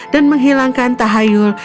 dan menghilangkan tahayul